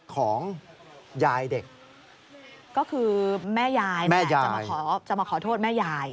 ก็คือแม่ยายจะมาขอโทษแม่ยาย